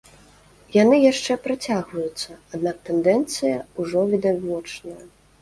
Яны яшчэ працягваюцца, аднак тэндэнцыя ўжо відавочная.